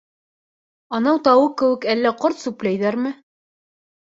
Анау тауыҡ кеүек әллә ҡорт сүпләйҙәрме?